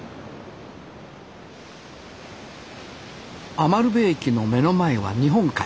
餘部駅の目の前は日本海。